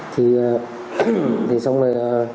thì xong rồi